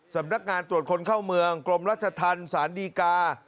สำนักงานตรวจคนเข้าเมืองกรมรัชธรรมศาลดีกา